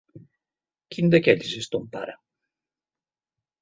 Quin d'aquells és ton pare?